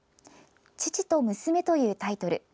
「父と娘」というタイトル。